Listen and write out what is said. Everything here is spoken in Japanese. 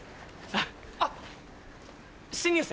あっ新入生？